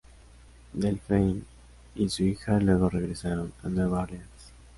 Delphine y su hija luego regresaron a Nueva Orleans.